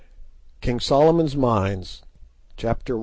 KING SOLOMON'S MINES CHAPTER I.